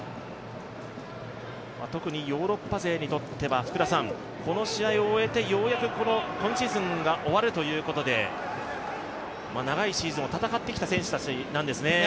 特にヨーロッパ勢にとってはこの試合を終えてようやく今シーズンが終わるということで長いシーズンを戦ってきた選手たちなんですね。